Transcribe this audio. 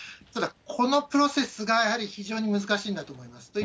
ただこのプロセスがやはり非常に難しいんだと思います。